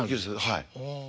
はい。